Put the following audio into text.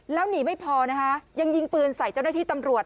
แล้วหนีไม่พอนะคะยังยิงปืนใส่เจ้าหน้าที่ตำรวจ